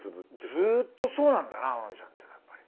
ずっとそうなんだな天海さんってやっぱり。